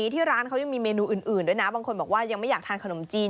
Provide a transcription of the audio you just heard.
ที่ร้านเขายังมีเมนูอื่นด้วยนะบางคนบอกว่ายังไม่อยากทานขนมจีน